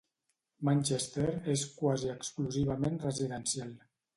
Manchester és quasi exclusivament residencial.